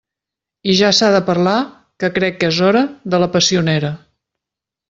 I ja s'ha de parlar —que crec que és hora— de la passionera.